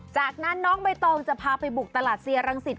จากนั้นน้องใบตองจะพาไปบุกตลาดเซียรังสิต